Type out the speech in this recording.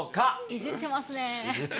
いじってますね。